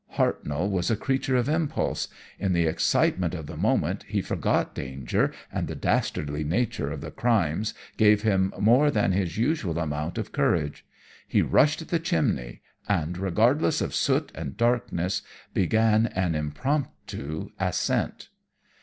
"Hartnoll was a creature of impulse. In the excitement of the moment he forgot danger, and the dastardly nature of the crimes gave him more than his usual amount of courage. He rushed at the chimney, and, regardless of soot and darkness, began an impromptu ascent.